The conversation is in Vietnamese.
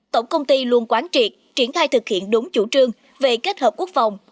tổng công ty luôn quán triệt triển khai thực hiện đúng chủ trương về kết hợp quốc phòng